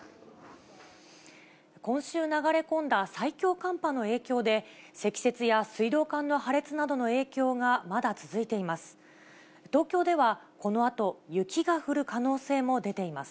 今週流れ込んだ最強寒波の影響で、積雪や水道管の破裂などの影響がまだ続いています。